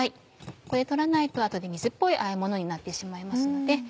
ここで取らないと後で水っぽいあえものになってしまいますので。